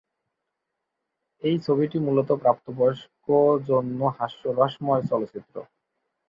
এই ছবিটি মূলত প্রাপ্তবয়স্ক জন্য হাস্যরসময় চলচ্চিত্র।